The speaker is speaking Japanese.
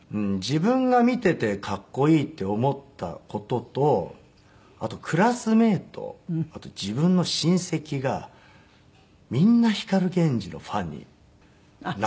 自分が見てて格好いいって思った事とあとクラスメートあと自分の親戚がみんな光ＧＥＮＪＩのファンになるわけですよ。